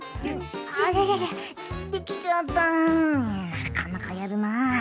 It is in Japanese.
なかなかやるな。